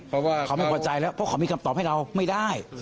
เขาไม่เข้าใจแล้วเพราะเขามีคำตอบให้เราไม่ได้